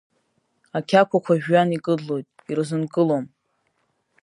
Ақьақәақәа жәҩан икыдлоит, ирзынкылом.